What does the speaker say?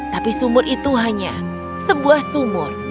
tapi sumur itu hanya sebuah sumur